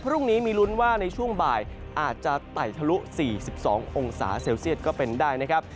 พรุ่งนี้มีลุ้นว่าในช่วงบ่ายอาจจะไต่ทะลุ๔๒องศาเซลเซียตก็เป็นได้นะครับ